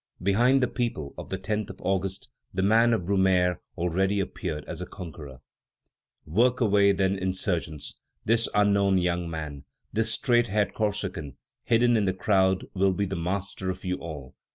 Behind the people of the 10th of August, the man of Brumaire already appeared as a conqueror. Work away, then, insurgents! This unknown young man, this "straight haired Corsican," hidden in the crowd, will be the master of you all!